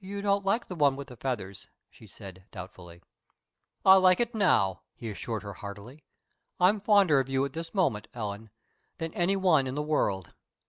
"You don't like the one with the feathers," she said, doubtfully. "I like it now," he assured her heartily. "I'm fonder of you at this moment, Ellen, than any one in the world.